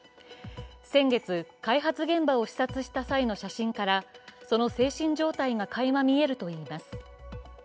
先月、開発現場を視察した際の写真から、その精神状態がかいま見えるといいます。